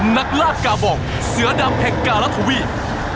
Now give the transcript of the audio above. นักลากกาบองเสือดำแห่งการัทวีป